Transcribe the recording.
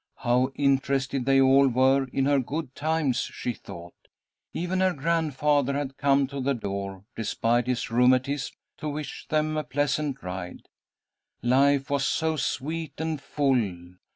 How interested they all were in her good times, she thought. Even her grandfather had come to the door, despite his rheumatism, to wish them a pleasant ride. Life was so sweet and full.